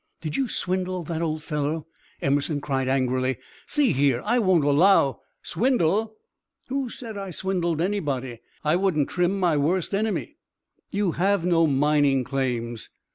"Did you swindle that old fellow?" Emerson cried, angrily. "See here! I won't allow " "Swindle! Who said I 'swindled' anybody? I wouldn't trim my worst enemy." "You have no mining claims."